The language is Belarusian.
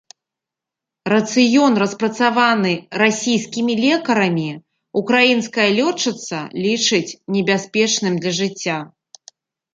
Рацыён, распрацаваны расійскімі лекарамі, украінская лётчыца лічыць небяспечным для жыцця.